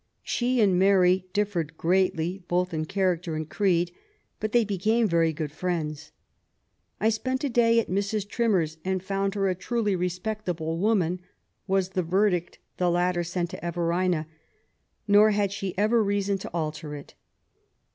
She and Mary differed greatly, both in character and creed, but they became very good friends. " I spent a day at Mrs. Trimmer's, and found her a truly respectable woman," was the verdict the latter sent to Everina ; nor had she ever reason to alter it.